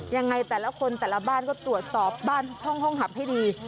ยังไงแต่ละคนแต่ละบ้านก็ตรวจสอบบ้านช่องห้องหับให้ดี